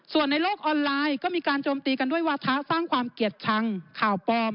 ส่วนในโลกออนไลน์ก็มีการโจมตีกันด้วยวาทะสร้างความเกลียดชังข่าวปลอม